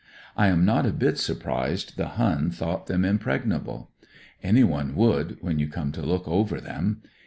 I am not a bit surprised the Hun thought them im pregnable. Anyone would, when you come to look over them.